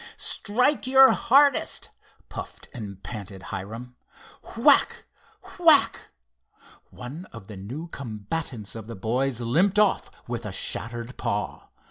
"Strike your hardest," puffed and panted Hiram. Whack! whack! One of the new combatants of the boys limped off with a shattered paw.